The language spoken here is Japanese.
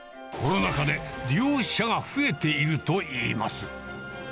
コロナ禍で利用者が増えているといいます。